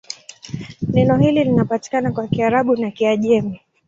Neno hili linapatikana kwa Kiarabu na Kiajemi.